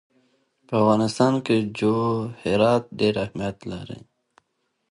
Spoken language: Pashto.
په افغانستان کې جواهرات ډېر اهمیت لري.